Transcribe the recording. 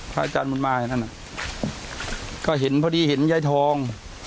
พระอาจารย์บุญมาอยู่นั่นน่ะก็เห็นพอดีเห็นไยทอง